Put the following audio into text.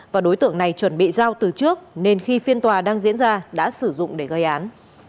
và đối tượng này chuẩn bị giao từ trước nên khi phiên tòa đang diễn ra đã sử dụng để gây án